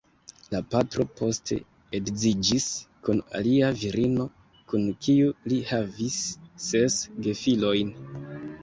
La patro poste edziĝis kun alia virino, kun kiu li havis ses gefilojn.